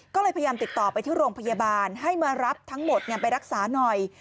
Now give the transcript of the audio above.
ก็เลยพยายามติดต่อไปที่โรงพยาบาลให้มารับทั้งหมดไปรักษาหน่อย